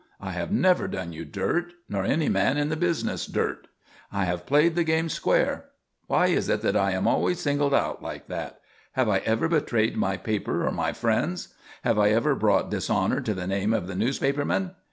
I have never done you dirt; nor any man in the business dirt. I have played the game square. Why is it that I am always singled out like that? Have I ever betrayed my paper or my friends? Have I ever brought dishonour to the name of the newspaperman?